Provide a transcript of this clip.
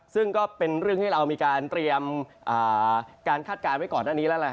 ซึ่งก็เป็นเรื่องที่เรามีการเตรียมการคาดการณ์ไว้ก่อนหน้านี้แล้วล่ะ